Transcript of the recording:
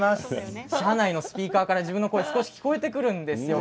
車内のスピーカーから自分の声が少し聞こえてくるんですよ。